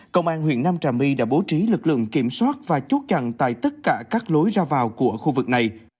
công an huyện nam trà my đã bố trí lực lượng kiểm soát và chốt chặn tại tất cả các lối ra vào của khu vực này